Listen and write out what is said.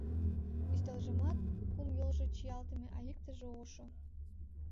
Ӱстелжымат кум йолжо чиялтыме, а иктыже ошо.